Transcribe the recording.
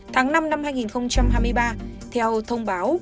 tháng năm năm hai nghìn hai mươi ba theo thông báo